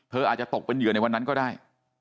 อาจจะตกเป็นเหยื่อในวันนั้นก็ได้